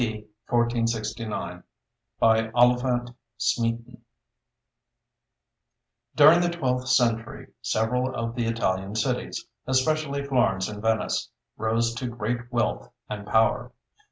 D. 1469 OLIPHANT SMEATON During the twelfth century several of the Italian cities especially Florence and Venice rose to great wealth and power.